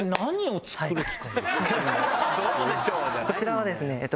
こちらはですね。